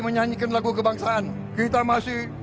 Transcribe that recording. menyanyikan lagu kebangsaan kita masih